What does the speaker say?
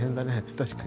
確かに。